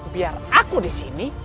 biar aku di sini